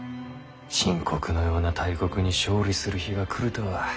清国のような大国に勝利する日が来るとは。